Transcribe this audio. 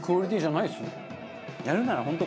やるなら本当